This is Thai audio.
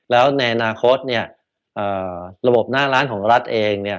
แล้วในอนาคตระบบหน้าร้านของรัฐเองเนี่ย